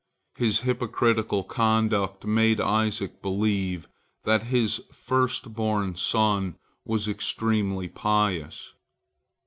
His hypocritical conduct made Isaac believe that his first born son was extremely pious.